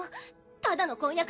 ただの婚約なら